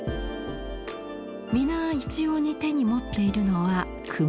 皆一様に手に持っているのは熊手。